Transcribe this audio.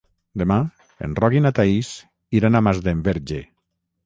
Demà en Roc i na Thaís iran a Masdenverge.